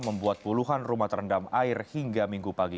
membuat puluhan rumah terendam air hingga minggu pagi